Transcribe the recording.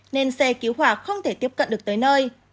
nên xe cứu hỏa không thể tiếp cận được tới nơi